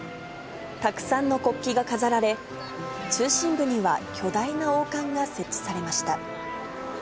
たくさんの国旗が飾られ、中心部には巨大な王冠が設置されました。